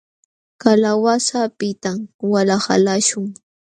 Kalawasa apitam wala qalaśhun.